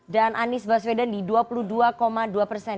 dan anies baswedan di dua puluh dua dua persen